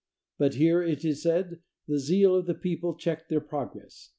But here, it is said, the zeal of the people checked their progress.